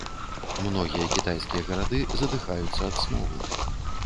Многія кітайскія гарады задыхаюцца ад смогу.